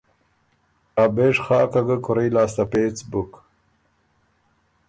ا بېژ خاکه ګه کُورئ لاسته پېڅ بُک